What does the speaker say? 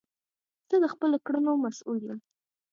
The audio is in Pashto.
زه د خپلو کړونو مسول یی